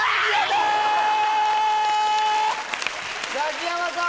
ザキヤマさん